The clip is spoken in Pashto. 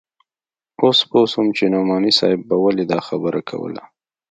اوس پوه سوم چې نعماني صاحب به ولې دا خبره کوله.